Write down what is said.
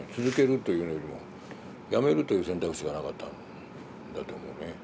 続けるというよりもやめるという選択肢がなかったんだと思うね。